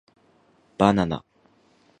Banana